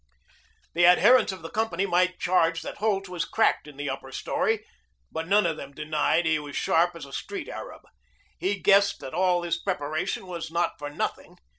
The adherents of the company might charge that Holt was cracked in the upper story, but none of them denied he was sharp as a street Arab. He guessed that all this preparation was not for nothing.